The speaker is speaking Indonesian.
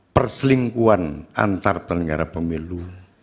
perselingkuhan antar penyelenggara pemilu